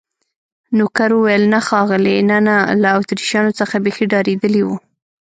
نوکر وویل: نه ښاغلي، نه، نه، له اتریشیانو څخه بیخي ډارېدلی و.